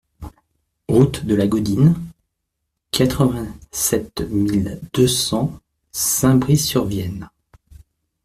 Route de la Gaudine, quatre-vingt-sept mille deux cents Saint-Brice-sur-Vienne